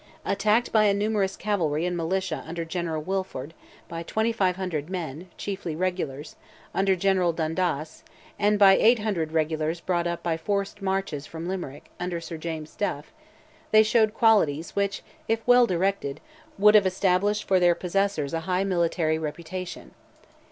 Attacked by a numerous cavalry and militia under General Wilford, by 2,500 men, chiefly regulars, under General Dundas, and by 800 regulars brought up by forced marches from Limerick, under Sir James Duff, they showed qualities, which, if well directed, would have established for their possessors a high military reputation.